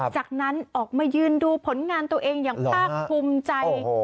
จากนั้นออกมายืนดูผลงานตัวเองอย่างภาคภูมิใจ